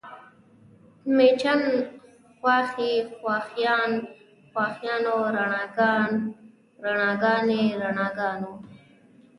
مېچن، خواښې، خواښیانې، خواښیانو، رڼا، رڼاګانې، رڼاګانو